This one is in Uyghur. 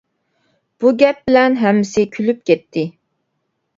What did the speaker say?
بۇ گەپ بىلەن ھەممىسى كۈلۈپ كەتتى.